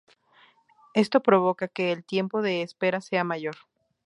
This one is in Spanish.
Esto provoca que el tiempo de espera sea mayor.